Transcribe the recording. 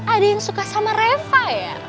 ada yang suka sama reva ya